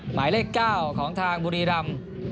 หมายเลข๙ของทางบุรีรำ